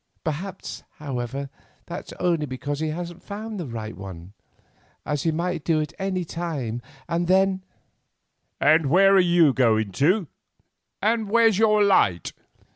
Perhaps, however, that's only because he hasn't found the right one, as he might do at any time, and then——" "Where are you going to, and where's your light?"